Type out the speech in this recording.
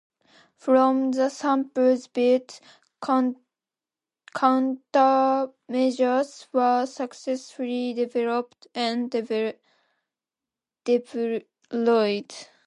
From the samples built, countermeasures were successfully developed and deployed.